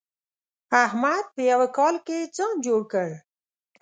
احمد په يوه کال کې ځان جوړ کړ.